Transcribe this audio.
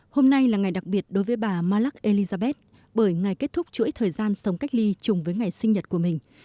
hôm nay là ngày đặc biệt đối với bà malak elizabeth bởi ngày kết thúc chuỗi thời gian sống cách ly chung với ngày sinh nhật của mình